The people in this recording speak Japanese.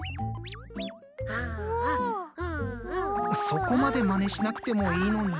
そこまでまねしなくてもいいのに。